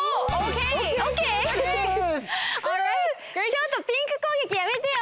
ちょっとピンクこうげきやめてよ！